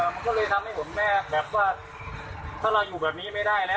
มันก็เลยทำให้ผมแม่แบบว่าถ้าเราอยู่แบบนี้ไม่ได้แล้ว